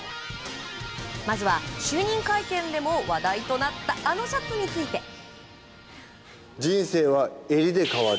まずは就任会見でも話題となったあのシャツについて。